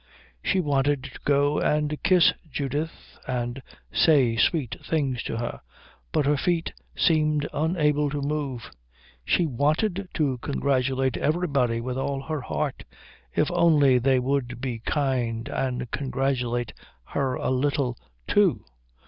She wanted to go and kiss Judith and say sweet things to her, but her feet seemed unable to move. She wanted to congratulate everybody with all her heart if only they would be kind and congratulate her a little, too.